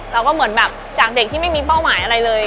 เราก็เหมือนแบบจากเด็กที่ไม่มีเป้าหมายอะไรเลย